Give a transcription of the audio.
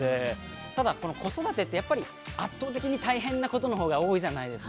ただ子育てってやっぱり圧倒的に大変なことの方が多いじゃないですか。